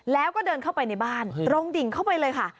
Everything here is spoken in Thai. แล้วก็เดินเข้าไปในบ้านตรงดิ่งเข้าไปเลยค่ะ